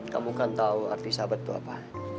kamu kan tahu arti sahabat itu apa